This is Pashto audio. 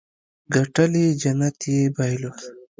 ګټلې جنت يې بايلودو.